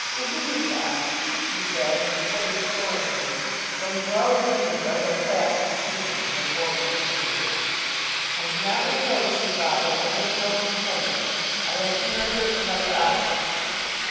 'Louisa!' he said, and said imploringly; for he well remembered what had passed between them in their former interview. 'I do not reproach you, father, I make no complaint. I am here with another object.